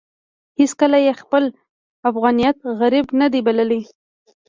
هېڅکله يې خپل افغانيت غريب نه دی بللی.